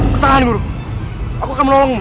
bertahan guru aku akan menolongmu